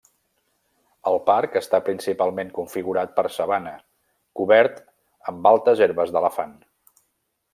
El parc està principalment configurat per sabana, cobert amb altes herbes d'elefant.